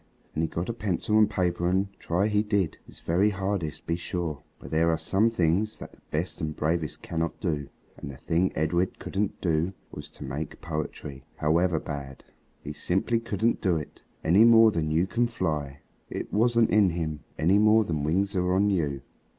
And he got a pencil and paper and try he did, his very hardest, be sure. But there are some things that the best and bravest cannot do. And the thing Edred couldn't do was to make poetry, however bad. He simply couldn't do it, any more than you can fly. It wasn't in him, any more than wings are on you.